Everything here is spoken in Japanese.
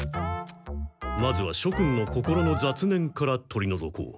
まずはしょ君の心の雑念から取りのぞこう。